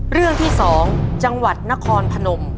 เรื่องที่๒จังหวัดนครพนม